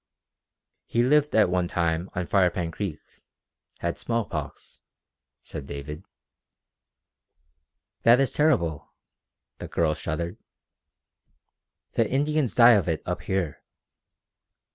"He lived at one time on Firepan Creek. Had small pox," said David. "That is terrible," the girl shuddered. "The Indians die of it up here.